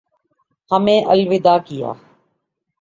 ہمیں الوداع کیا